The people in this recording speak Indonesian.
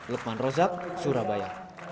lukman rozak surabaya